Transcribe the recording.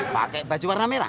pakai baju warna merah